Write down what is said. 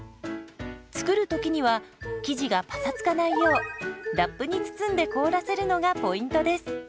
作る時には生地がパサつかないようラップに包んで凍らせるのがポイントです。